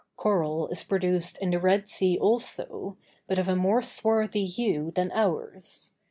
Coral is produced in the Red Sea also, but of a more swarthy hue than ours.